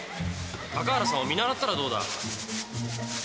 高原さんを見習ったらどうだ。